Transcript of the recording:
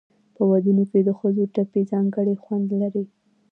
په ودونو کې د ښځو ټپې ځانګړی خوند لري.